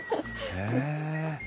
へえ。